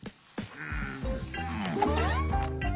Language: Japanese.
うん。